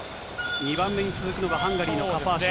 ２番目に続くのがハンガリーのカパーシュ。